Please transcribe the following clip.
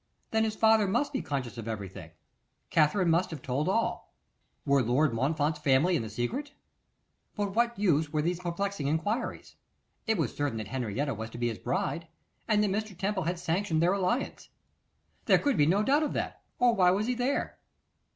Then his father must be conscious of everything. Katherine must have told all. Were Lord Montfort's family in the secret? But what use were these perplexing enquiries? It was certain that Henrietta was to be his bride, and that Mr. Temple had sanctioned their alliance. There could be no doubt of that, or why was he there?